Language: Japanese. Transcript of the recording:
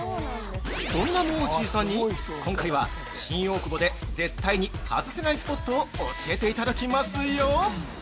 そんな、もーちぃさんに今回は新大久保で絶対に外せないスポットを教えていただきますよ。